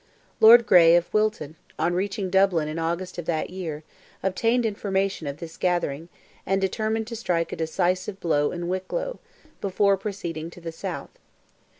Lord Grey, of Wilton, on reaching Dublin in August of that year, obtained information of this gathering, and determined to strike a decisive blow in Wicklow, before proceeding to the South.